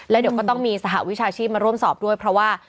แล้วเดี๋ยวก็ต้องมีสหวิชาชีพมาร่วมสอบด้วยเพราะว่า